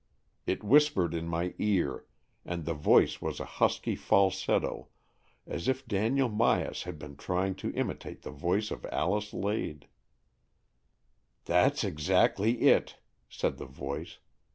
It whispered in my ear, and the voice was a husky falsetto, as if Daniel Myas had been trying to imitate the voice of Alice Lade. " That's exactly it," said the voice.